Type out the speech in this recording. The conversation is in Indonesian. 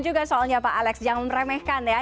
juga soalnya pak alex jangan meremehkan ya